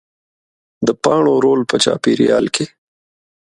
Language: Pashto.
د پاڼو رول په چاپېریال کې